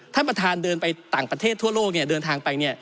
ท่านประธานเดินไปต่างประเทศทั่วโลกเนี่ยเดินทางไป